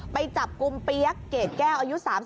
ไปจับกลุ่มเปี๊ยกเกรดแก้วอายุ๓๓